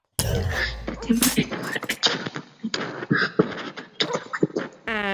The timber is hard and durable and is resistant to termites.